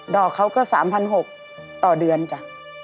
อกเขาก็๓๖๐๐ต่อเดือนจ้ะ